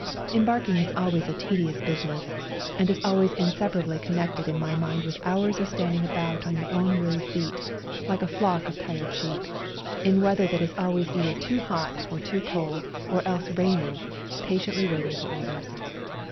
Embarking is always a tedious business, and is always inseparably connected in my mind with hours of standing about on your own weary feet, like a flock of tired sheep, in weather that is always either too hot or too cold, or else raining, patiently waiting for orders.